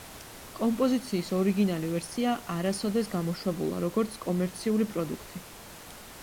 კომპოზიციის ორიგინალი ვერსია არასოდეს გამოშვებულა, როგორც კომერციული პროდუქტი.